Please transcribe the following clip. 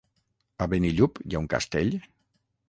A Benillup hi ha un castell?